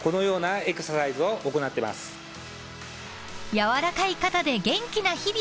［やわらかい肩で元気な日々を］